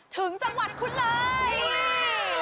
ถึงจังหวัดคุณเลย